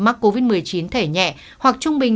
mắc covid một mươi chín thể nhẹ hoặc trung bình